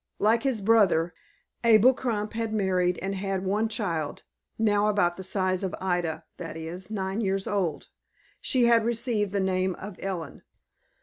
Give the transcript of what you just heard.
Like his brother, Abel Crump had married, and had one child, now about the size of Ida, that is, nine years old. She had received the name of Ellen.